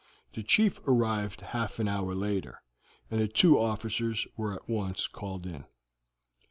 The chief arrived half an hour later, and the two officers were at once called in.